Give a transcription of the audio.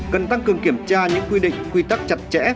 cần tăng cường kiểm tra những quy định quy tắc chặt chẽ